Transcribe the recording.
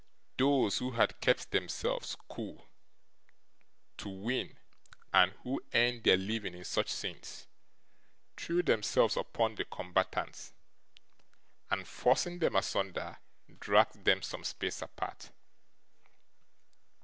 Those who had kept themselves cool, to win, and who earned their living in such scenes, threw themselves upon the combatants, and, forcing them asunder, dragged them some space apart.